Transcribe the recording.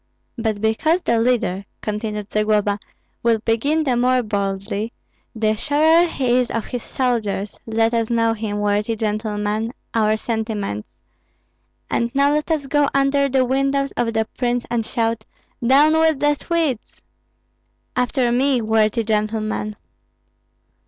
"But because the leader," continued Zagloba, "will begin the more boldly, the surer he is of his soldiers, let us show him, worthy gentlemen, our sentiments. And now let us go under the windows of the prince and shout, 'Down with the Swedes!' After me, worthy gentlemen!"